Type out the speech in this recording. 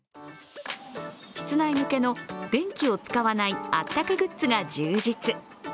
室内向けの電気を使わないあったかグッズが充実。